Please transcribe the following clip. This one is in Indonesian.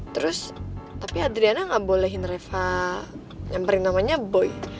terus tapi adriana gak bolehin reva nyamperin namanya boy